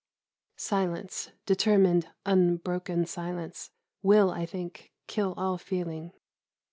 Silence, determined, unbroken silence, will, I think, kill all feeling.